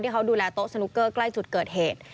เขาดูแลโต๊ะสนุกเกอร์ใกล้จุดเกิดเหตุ